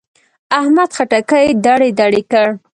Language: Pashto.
احمد خټکی دړې دړې کړ.